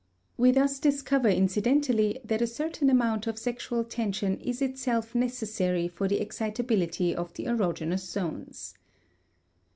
We thus discover incidentally that a certain amount of sexual tension is itself necessary for the excitability of the erogenous zones.